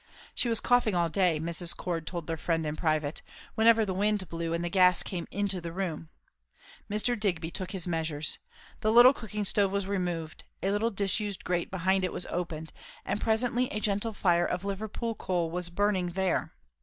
"She was coughing all day," Mrs. Cord told their friend in private; "whenever the wind blew and the gas came into the room." Mr. Digby took his measures. The little cooking stove was removed; a little disused grate behind it was opened; and presently a gentle fire of Liverpool coal was burning there.